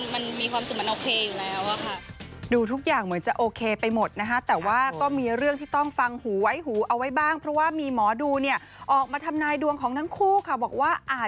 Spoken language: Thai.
มันมีความสุขทุกอย่างโอเคอยู่แล้ว